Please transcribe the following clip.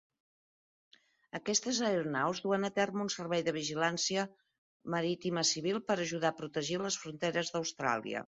Aquestes aeronaus duen a terme un servei de vigilància marítima civil per ajudar a protegir les fronteres d'Austràlia.